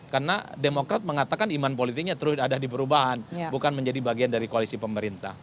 karena demokrat mengatakan iman politiknya terus ada di perubahan bukan menjadi bagian dari koalisi pemerintah